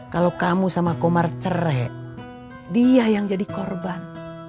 kalau kamu sama komar cerek dia yang jadi korban